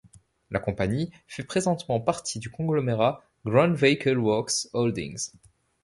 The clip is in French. La compagnie fait présentement partie du conglomérat Grand Vehicle Works Holdings.